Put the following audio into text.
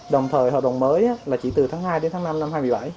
đồng thời hợp đồng mới là chỉ từ tháng hai đến tháng năm năm hai nghìn một mươi bảy